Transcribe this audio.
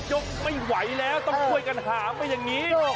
ยกไม่ไหวแล้วต้องช่วยกันหามมาอย่างนี้